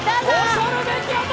恐るべき男！